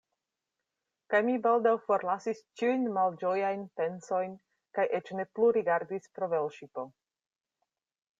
Kaj mi baldaŭ forlasis ĉiujn malĝojajn pensojn, kaj eĉ ne plu rigardis pro velŝipo.